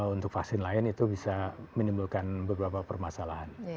untuk vaksin lain itu bisa menimbulkan beberapa permasalahan